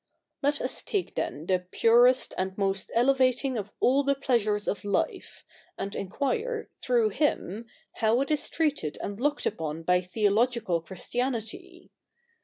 Let us take then the purest and most elevating of all the pleasures of life, and enquire, through him, how it is treated and looked upon by theo logical Christianity.